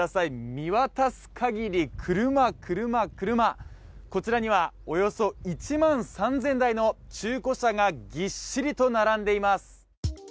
見渡す限り車、車、車、こちらにはおよそ１万３０００台の中古車がぎっしりと並んでいます。